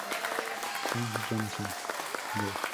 Zac Johnson de "E!